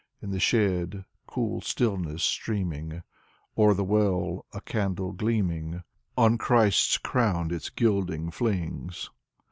In the shed, cool stillness streaming. O'er the well, a candle gleaming On Christ's crown its gilding flings.